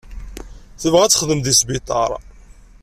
Tebɣa ad texdem deg wesbiṭar.